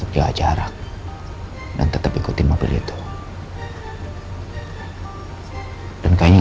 apa yang akan kita lakukan